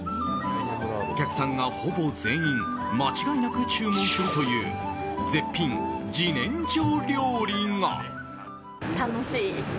お客さんがほぼ全員間違いなく注文するという絶品自然薯料理が。